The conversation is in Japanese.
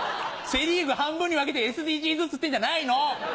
セ・リーグ半分に分けてＳＤＧｓっつってんじゃないの。